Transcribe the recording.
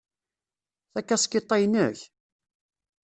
Takaskiṭ-a inek?